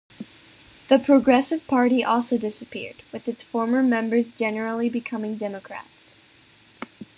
The Progressive Party also disappeared, with its former members generally becoming Democrats.